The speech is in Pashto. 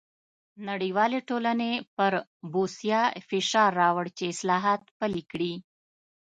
نړیوالې ټولنې پر بوسیا فشار راووړ چې اصلاحات پلي کړي.